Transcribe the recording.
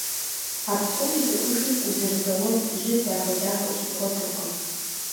А псом и щӀыӀужым узэрыбэуэн жьы дахэ-дахэу щыбгъуэтыркъым.